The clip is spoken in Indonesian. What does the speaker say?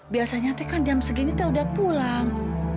biasanya kan jam segini udah pulang